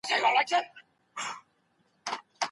پوره څو كاله لـيـونتــــوب كـــــړيـــــــــدى